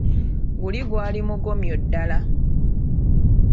Guli gwali mugomyo ddala!